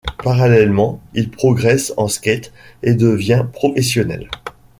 Parallèlement, il progresse en skate et devient professionnel.